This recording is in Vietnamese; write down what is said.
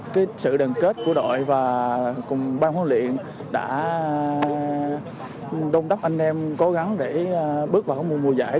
cái sự đền kết của đội và cùng ban huấn luyện đã đông đắp anh em cố gắng để bước vào mùa giải